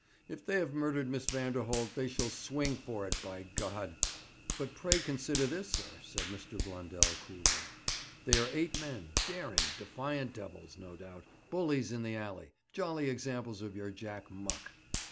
'If they have murdered Miss Vanderholt, they shall swing for it, by God!' 'But pray consider this, sir,' said Mr. Blundell coolly. 'They are eight men, daring, defiant devils, no doubt, bullies in the alley, jolly examples of your Jack Muck.